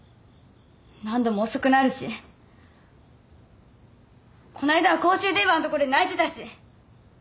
何度も遅くなるしこないだは公衆電話のとこで泣いてたし。